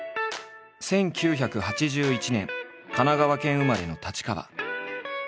１９８１年神奈川県生まれの太刀川。